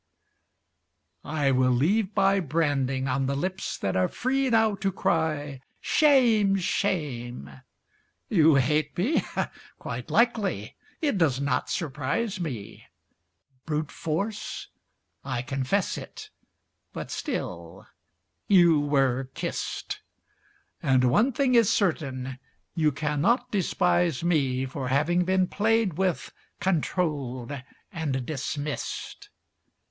I will leave my branding On the lips that are free now to cry "Shame, shame!" You hate me? Quite likely! It does not surprise me, Brute force? I confess it; but still you were kissed; And one thing is certain you cannot despise me For having been played with, controlled, and dismissed.